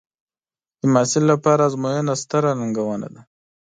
د محصل لپاره ازموینه ستره ننګونه ده.